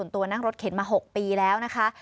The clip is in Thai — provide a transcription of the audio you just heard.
ตัวนั่งรถเข็นมา๖ปีแล้วนะคะ